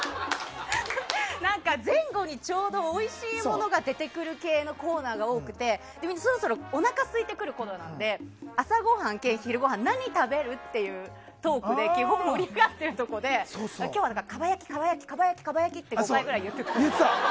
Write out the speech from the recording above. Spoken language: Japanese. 前後にちょうどおいしいものが出てくる系のコーナーが多くてみんな、そろそろおなかがすいてくるころなので朝ごはん兼昼ごはん何食べるっていうトークで基本、盛り上がってるところで今日はかば焼き！って５回ぐらい言ってた。